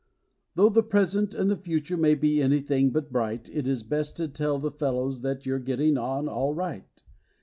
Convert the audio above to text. Though the present and the future may be anything but bright. It is best to tell the fellows that you're getting on all right.